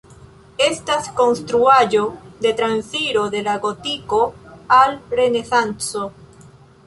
Estas konstruaĵo de transiro de la Gotiko al Renesanco.